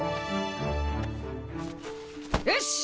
⁉よし。